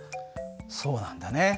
そうなんだね。